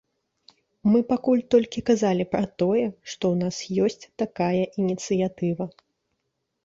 Мы пакуль толькі казалі пра тое, што ў нас ёсць такая ініцыятыва.